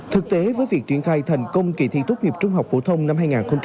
thực tế với việc triển khai thành công kỳ thi tốt nghiệp trung học phổ thông năm hai nghìn hai mươi